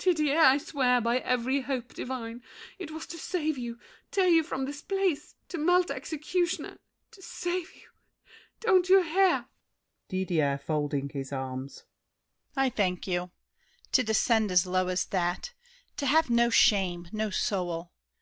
MARION. Didier, I swear by every hope divine It was to save you, tear you from this place; To melt the executioner—to save you— Don't you hear? DIDIER (folding his arms). I thank you! To descend As low as that! To have no shame, no soul!